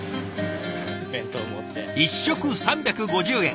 １食３５０円。